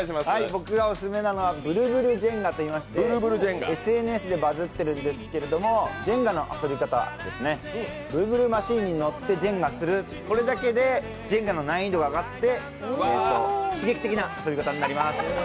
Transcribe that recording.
僕がオススメなのはブルブルジェンガといいまして、ＳＮＳでバズってるんですが、ジェンガの遊び方はブルブルマシーンに乗ってジェンガをする、これだけでジェンガの難易度が上がって刺激的な遊び方になります。